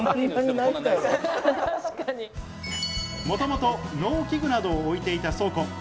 もともと、農機具などを置いていた倉庫。